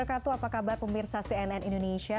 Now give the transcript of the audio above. apa kabar pemirsa cnn indonesia